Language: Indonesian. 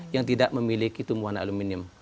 yang tidak memiliki tumbuhan aluminium